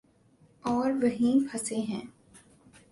اوروہیں پھنسے ہیں۔